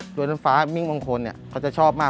ตัวน้ำฟ้ามิ้งบางคนเขาจะชอบมาก